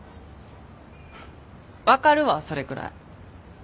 分かるわそれくらい。